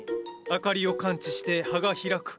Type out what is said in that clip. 明かりを感知して葉が開く。